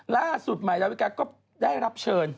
ล่าสุดใหม่ดาวิกาก็ได้รับเชิญ